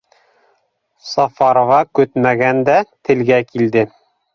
Сафарова көтмәгәндә телгә Килде: